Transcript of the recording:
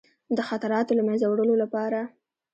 د خطراتو له منځه وړلو لپاره.